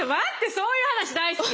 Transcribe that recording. そういう話大好き！